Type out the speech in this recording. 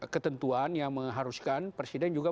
ketentuan yang mengharuskan presiden juga